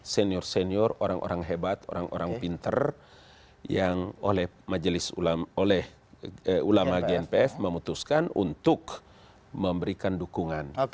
senior senior orang orang hebat orang orang pinter yang oleh ulama gnpf memutuskan untuk memberikan dukungan